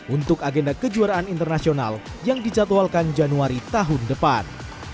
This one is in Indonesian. untuk agenda kejuaraan internasional yang dijadwalkan januari tahun depan